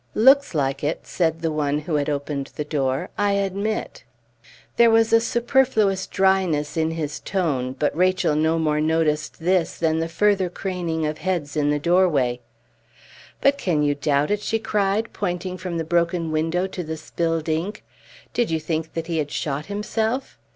"Looks like it," said the one who had opened the door, "I admit." There was a superfluous dryness in his tone; but Rachel no more noticed this than the further craning of heads in the doorway. "But can you doubt it?" she cried, pointing from the broken window to the spilled ink. "Did you think that he had shot himself?"